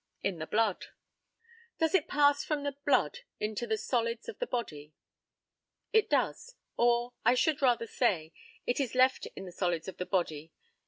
In the blood. Does it pass from the blood into the solids of the body? It does; or, I should rather say, it is left in the solids of the body.